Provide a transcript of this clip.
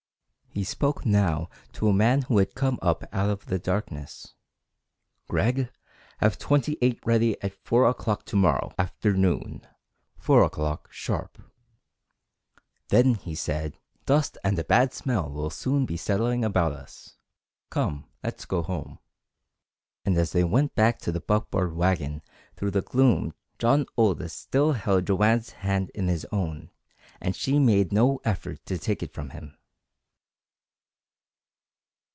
He spoke now to a man who had come up out of the darkness. "Gregg, have Twenty eight ready at four o'clock to morrow afternoon four o'clock sharp!" Then he said: "Dust and a bad smell will soon be settling about us. Come, let's go home!" And as they went back to the buckboard wagon through the gloom John Aldous still held Joanne's hand in his own, and she made no effort to take it from him.